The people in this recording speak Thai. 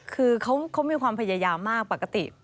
คือเขามีความพยายามมากปกติ